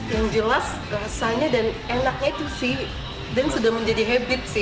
yang jelas rasanya dan enaknya itu sih dan sudah menjadi habit sih